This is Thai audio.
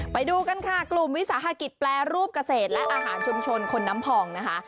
ไปดูกันค่ะกลุ่มวิสาหกิจแปรรูปเกษตรและอาหารชุมชนคนน้ำพองนะคะ